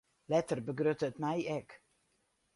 Letter begrutte it my ek.